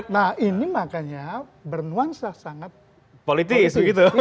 nah ini makanya bernuansa sangat politis